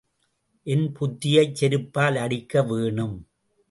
என் புத்தியைச் செருப்பால் அடிக்க வேணும்.